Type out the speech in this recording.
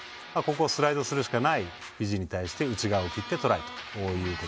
スライドするしかないフィジーに対して内側を切ってトライ。